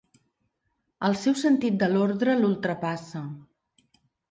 El seu sentit de l'ordre l'ultrapassa.